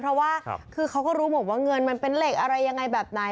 เพราะว่าคือเขาก็รู้หมดว่าเงินมันเป็นเหล็กอะไรยังไงแบบไหน